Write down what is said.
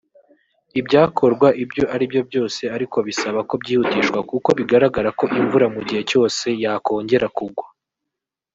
Ibyakorwa ibyo ari byo byose ariko bisaba ko byihutishwa kuko bigaragara ko imvura mu gihe cyose yakongera kugwa